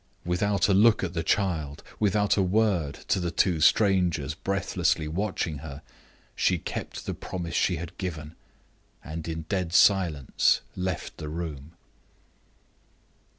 Without a look at the child without a word to the two strangers breathlessly watching her she kept the promise she had given, and in dead silence left the room.